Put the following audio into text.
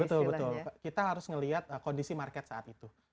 betul betul kita harus melihat kondisi market saat itu